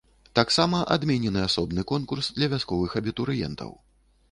Таксама адменены асобны конкурс для вясковых абітурыентаў.